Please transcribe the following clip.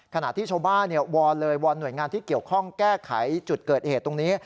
ขณะที่ชาวบ้านวอนเลยวอนหน่วยงานที่เกี่ยวข้องแก้ไขจุดเกิดเหตุตรงนี้